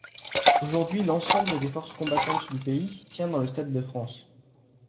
Aujourd’hui, l’ensemble des forces combattantes du pays tient dans le stade de France.